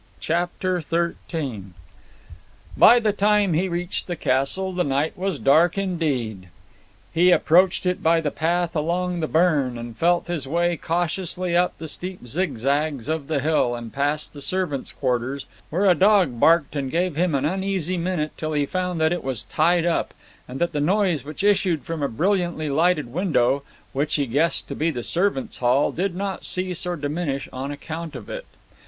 CHAPTER XIII By the time he reached the castle, the night was dark indeed. He approached it by the path along the burn, and felt his way cautiously up the steep zigzags of the hill, and past the servants' quarters, where a dog barked and gave him an uneasy minute till he found that it was tied up, and that the noise which issued from a brilliantly lighted window which he guessed to be the servants' hall did not cease or diminish on account of it.